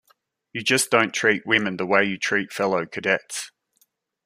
You just don't treat women the way you treat fellow cadets.